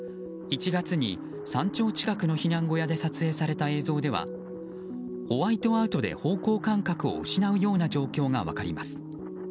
１月に山頂近くの避難小屋で撮影された映像ではホワイトアウトで方向感覚を失うような様子が分かります。